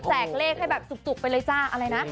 แจกเลขให้แบบจุกไปเลยจ้า